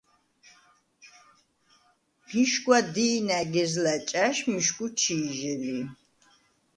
მიშგვა დი̄ნაგეზლა̈ ჭა̈ში მიშგუ ჩი̄ჟე ლი.